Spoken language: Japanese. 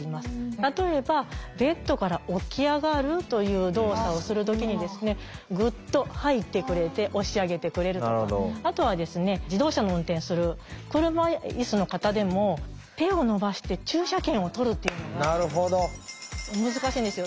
例えばベッドから起き上がるという動作をする時にグッと入ってくれて押し上げてくれるとかあとは自動車の運転する車いすの方でも手を伸ばして駐車券を取るっていうのが難しいんですよ。